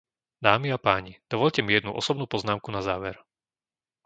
Dámy a páni, dovoľte mi jednu osobnú poznámku na záver.